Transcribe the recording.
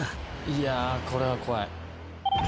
いや、これは怖い。